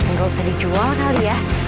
nggak usah dijual kali ya